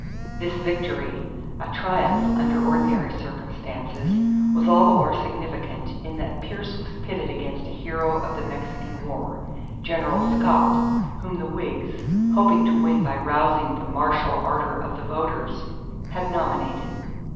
This victory, a triumph under ordinary circumstances, was all the more significant in that Pierce was pitted against a hero of the Mexican War, General Scott, whom the Whigs, hoping to win by rousing the martial ardor of the voters, had nominated.